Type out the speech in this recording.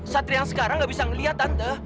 satria yang sekarang gak bisa ngeliat anda